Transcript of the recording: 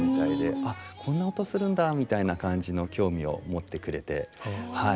「あこんな音するんだ」みたいな感じの興味を持ってくれてはい。